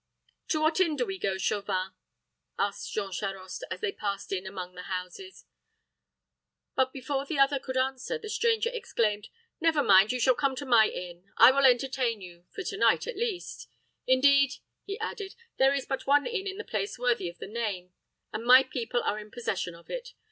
"To what inn do we go, Chauvin?" asked Jean Charost, as they passed in among the houses; but, before the other could answer, the stranger exclaimed, "Never mind you shall come to my inn. I will entertain you for to night, at least. Indeed," he added, "there is but one inn in the place worthy of the name, and my people are in possession of it.